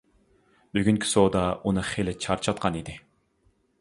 بۈگۈنكى سودا ئۇنى خېلى چارچاتقان ئىدى.